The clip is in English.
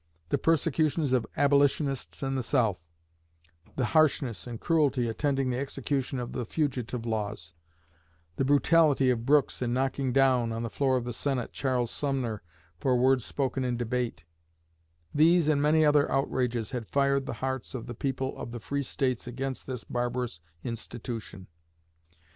The persecutions of Abolitionists in the South; the harshness and cruelty attending the execution of the fugitive laws; the brutality of Brooks in knocking down, on the floor of the Senate, Charles Sumner, for words spoken in debate: these and many other outrages had fired the hearts of the people of the free States against this barbarous institution.